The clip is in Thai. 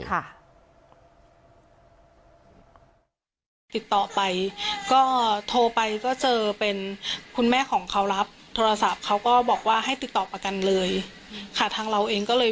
ติดต่อไปก็โทรไปก็เจอเป็นคุณแม่ของเขารับโทรศัพท์เขาก็บอกว่าให้ติดต่อประกันเลยค่ะทางเราเองก็เลย